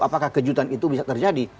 apakah kejutan itu bisa terjadi